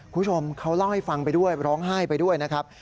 คุณผู้ชมเขาเล่าให้ฟังไปด้วยร้องไห้ไปด้วยนะครับ